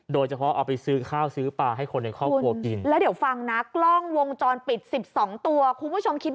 โดยเฉพาะเอาไปซื้อข้าวซื้อปลาให้คนเดียวครอบครัวกิน